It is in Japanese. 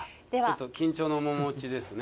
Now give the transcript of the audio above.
ちょっと緊張の面持ちですね。